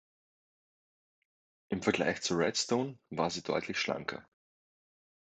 Im Vergleich zur Redstone war sie deutlich schlanker.